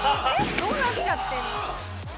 どうなっちゃってるの？